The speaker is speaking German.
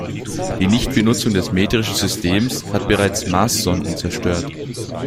Die Nichtbenutzung des metrischen Systems hat bereits Marssonden zerstört.